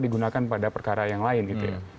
digunakan pada perkara yang lain gitu ya